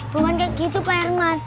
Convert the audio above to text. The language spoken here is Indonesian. bukan kayak gitu pak herman